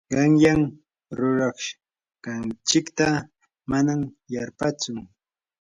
qanyan rurashqanchikta manam yarpatsu.